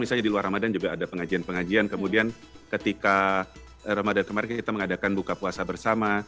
misalnya di luar ramadan juga ada pengajian pengajian kemudian ketika ramadhan kemarin kita mengadakan buka puasa bersama